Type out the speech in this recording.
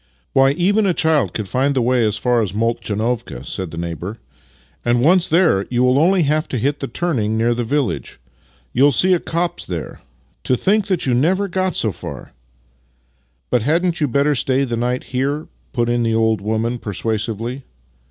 " Why, even a child could find tlie way as far as Moltchanovka," said the neighbour; " and, once there, you only have to hit the turning near the village. You will see a copse there. To think that you never got so far! "" But hadn't you better stay the night here? " put in the old woman, persuasively.